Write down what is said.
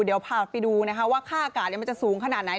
เดี๋ยวพาไปดูนะคะว่าค่าอากาศมันจะสูงขนาดไหน